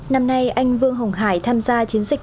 năm nay anh vương hồng hải tham gia chiến dịch